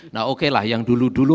nah oke lah yang dulu dulu